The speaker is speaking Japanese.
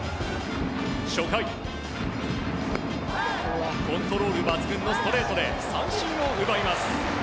初回、コントロール抜群のストレートで三振を奪います。